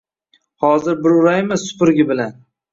Hozir bir uraymi supurgi bilan.